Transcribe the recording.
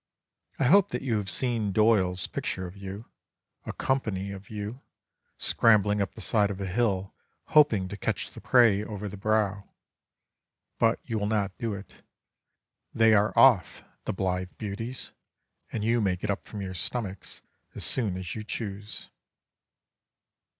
I hope that you have seen Doyle's picture of you, a company of you, scrambling up the side of a hill hoping to catch the prey over the brow. But you will not do it. They are off, the blithe beauties, and you may get up from your stomachs as soon as you choose.